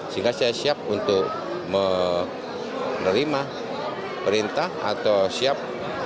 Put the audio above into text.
sehingga saya siap untuk menerima perintah atau siap